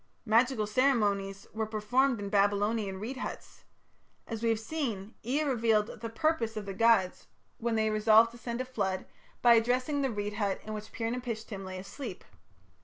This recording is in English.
Magical ceremonies were performed in Babylonian reed huts. As we have seen, Ea revealed the "purpose" of the gods, when they resolved to send a flood, by addressing the reed hut in which Pir napishtim lay asleep.